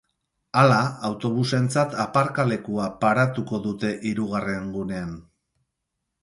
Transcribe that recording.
Hala, autobusentzat aparkalekua paratuko dute hirugarren gunean.